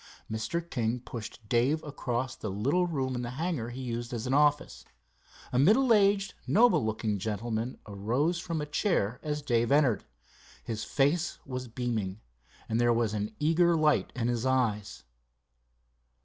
Mr. King pushed Dave across the little room in the hangar he used as an office. A middle aged, noble looking gentleman arose from a chair as Dave entered. His face was beaming, and there was an eager light in his eyes.